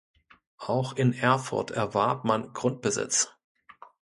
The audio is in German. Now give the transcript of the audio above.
Auch in Erfurt erwarb man Grundbesitz.